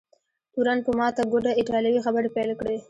تورن په ماته ګوډه ایټالوي خبرې پیل کړې.